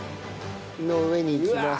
この上にいきます。